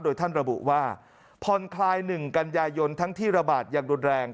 โดยท่านระบุว่าผ่อนคลาย๑กันยายนทั้งที่ระบาดอย่างรุนแรง